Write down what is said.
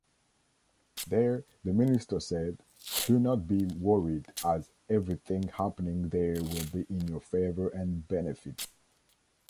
There the minister said: Do not be worried as every thing happening there will be in your favor and benefit.